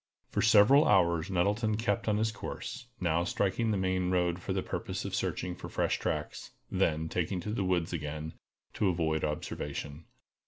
For several hours Nettleton kept on his course, now striking the main road for the purpose of searching for fresh tracks, then taking to the woods again, to avoid observation.